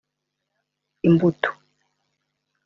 Imbuto